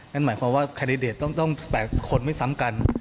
นั่นหมายความว่าแคนดิเดตต้อง๘คนไม่ซ้ำกัน